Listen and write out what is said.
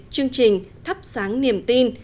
chương trình thắp sáng niềm tin